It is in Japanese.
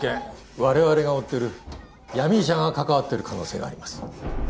我々が追ってる闇医者が関わってる可能性があります